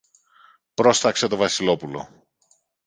πρόσταξε το Βασιλόπουλο.